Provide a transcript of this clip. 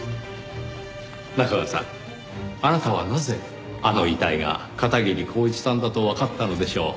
中川さんあなたはなぜあの遺体が片桐晃一さんだとわかったのでしょう？